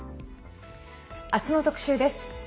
明日の特集です。